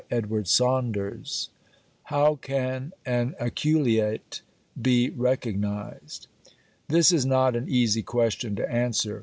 HOW CAN AN "ACULEATE" BE RECOGNIZED? This is not an easy question to answer.